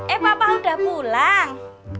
eh papa udah pulang